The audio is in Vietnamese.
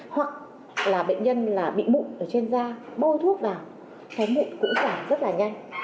hoặc là bệnh nhân là bị mụn ở trên da bôi thuốc vào cái mụn cũng giảm rất là nhanh